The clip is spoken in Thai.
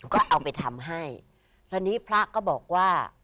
ก็เอาไปทำให้คราวนี้พระก็บอกว่า